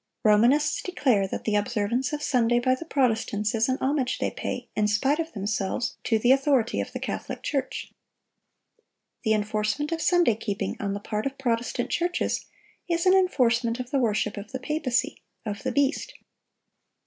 Romanists declare that "the observance of Sunday by the Protestants is an homage they pay, in spite of themselves, to the authority of the [Catholic] Church."(758) The enforcement of Sunday keeping on the part of Protestant churches is an enforcement of the worship of the papacy—of the beast.